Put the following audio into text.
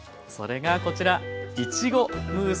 それがこちら。